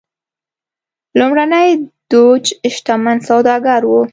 لومړنی دوج شتمن سوداګر و.